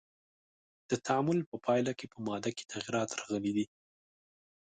د تعامل په پایله کې په مادې کې تغیرات راغلی دی.